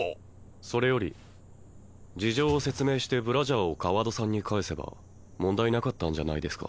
それより事情を説明してブラジャーを川戸さんに返せば問題なかったんじゃないですか？